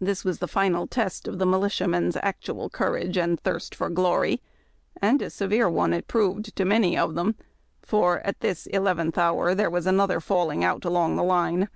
This was the final test of the militiamen's actual courage and thirst for glory, and a severe one it proved to many of them, for at this eleventh hour there was another fallinsc out along the line.